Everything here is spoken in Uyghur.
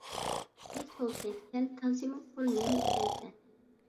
ھەي سولتەك، سەن تازىمۇ كور نېمە ئىكەنسەن!